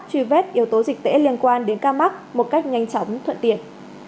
truy vết yếu tố dịch tễ liên quan đến ca mắc một cách nhanh chóng thuận tiện